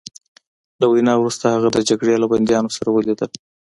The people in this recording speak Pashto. له وینا وروسته هغه د جګړې له بندیانو سره ولیدل